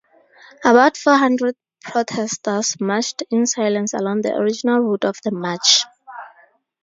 About four hundred protesters marched in silence along the original route of the march.